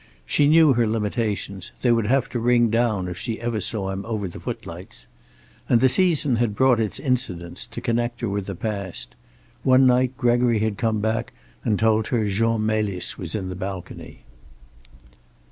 She knew her limitations; they would have to ring down if she ever saw him over the footlights. And the season had brought its incidents, to connect her with the past. One night Gregory had come back and told her Jean Melis was in the balcony.